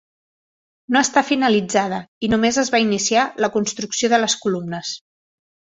No està finalitzada i només es va iniciar la construcció de les columnes.